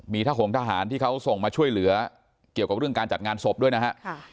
มีทะหงทหารที่เขาส่งมาช่วยเหลือเกี่ยวกับเรื่องการจัดงานศพด้วยนะฮะ